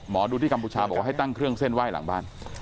ดูที่กัมพูชาบอกว่าให้ตั้งเครื่องเส้นไหว้หลังบ้าน